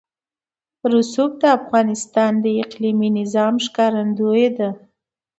رسوب د افغانستان د اقلیمي نظام ښکارندوی ده.